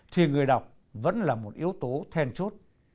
thì người đọc vẫn là một yếu tố then chốt